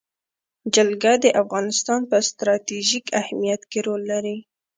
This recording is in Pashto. جلګه د افغانستان په ستراتیژیک اهمیت کې رول لري.